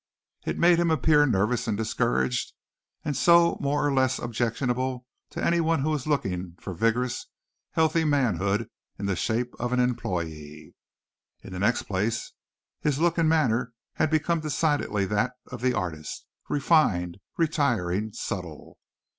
It made him appear nervous and discouraged and so more or less objectionable to anyone who was looking for vigorous healthy manhood in the shape of an employee. In the next place, his look and manner had become decidedly that of the artist refined, retiring, subtle.